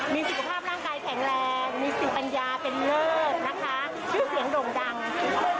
มีสิ่งปัญญาเป็นเลิศนะคะชื่อเสียงโด่งดัง